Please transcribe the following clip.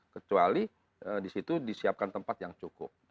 kecuali di situ disiapkan tempat yang cukup